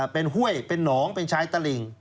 เป็นห้วยเป็นหนองเป็นชายตลิ่ง